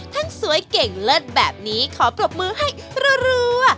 ทั้งสวยเก่งเลิศแบบนี้ขอปรบมือให้รัว